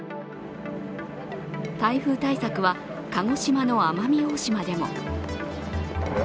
台風対策は鹿児島の奄美大島でも。